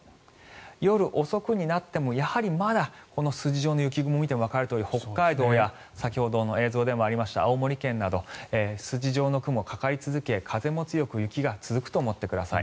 夜遅くになっても、やはりまだこの筋状の雪雲を見てもわかるとおり北海道や先ほどの映像でもありました青森県など筋状の雲もかかり続け風も強く雪が続くと思ってください。